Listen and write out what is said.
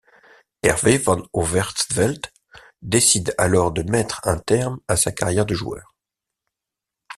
Hervé Van Overtvelt décide alors de mettre un terme à sa carrière de joueur.